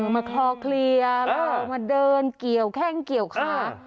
มันคลอเคลีย์แล้วมันเดินแค่งเกี่ยวคลา